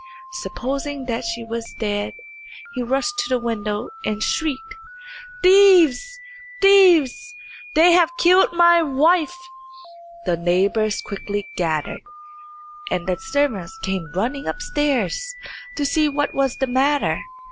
Supposing that she was dead, he rushed to the window and shrieked, "Thieves thieves! They have killed my wife." The neighbours quickly gathered, and the servants came running upstairs to see what was the matter.